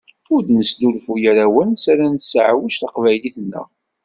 Ur d-nesnulfuy ara awalen s ara nesseɛwej taqbaylit-nneɣ.